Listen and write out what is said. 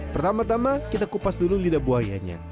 pertama tama kita kupas dulu lidah buayanya